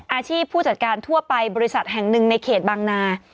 ผู้จัดการทั่วไปบริษัทแห่งหนึ่งในเขตบางนา